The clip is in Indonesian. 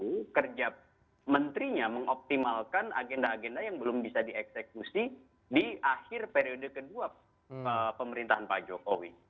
dan itu kerja menterinya mengoptimalkan agenda agenda yang belum bisa dieksekusi di akhir periode kedua pemerintahan pak jokowi